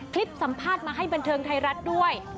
สัมภาษณ์มาให้บันเทิงไทยรัฐด้วย